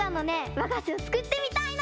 わがしをつくってみたいの！